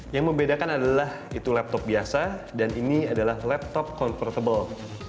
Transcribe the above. yang membedakan adalah itu laptop biasa dan ini adalah laptop convertable